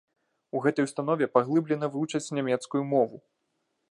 У гэтай установе паглыблена вучаць нямецкую мову.